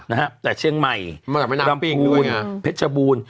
นะฮะแต่เชียงใหม่รำพูนเพชบูน